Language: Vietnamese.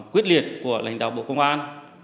quyết liệt của lãnh đạo bộ công an